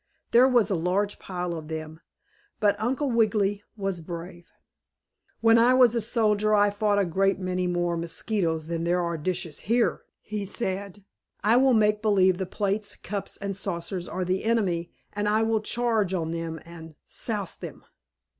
There was a large pile of them, but Uncle Wiggily was brave. "When I was a soldier I fought a great many more mosquitoes than there are dishes here," he said. "I will make believe the plates, cups and saucers are the enemy, and I will charge on them and souse them."